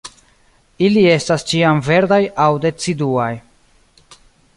Ili estas ĉiamverdaj aŭ deciduaj.